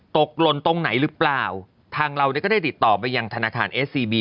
หล่นตรงไหนหรือเปล่าทางเราเนี่ยก็ได้ติดต่อไปยังธนาคารเอสซีบี